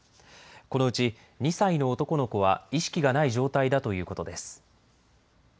このうち、２歳の男の子は意識がない状態だということです。